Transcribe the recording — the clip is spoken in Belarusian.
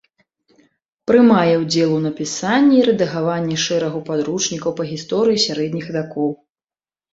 Прымае ўдзел у напісанні і рэдагаванні шэрагу падручнікаў па гісторыі сярэдніх вякоў.